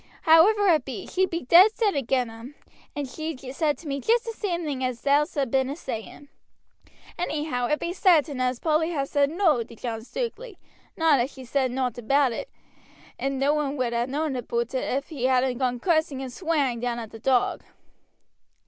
However it be, she be dead set agin them, and she's said to me jest the same thing as thou'st been a saying; anyhow, it be sartain as Polly ha' said no to John Stukeley, not as she said nowt about it, and no one would ha' known aboot it ef he hadn't gone cussing and swearing down at the 'Dog.'